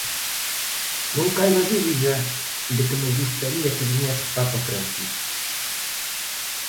Non caiba dúbida de que me gustaría que viñese o Papa Francisco.